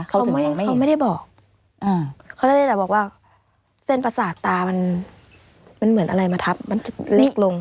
เขาได้บอกว่าเส้นประสาทตามันเหมือนอะไรมาทับจะเล็กลง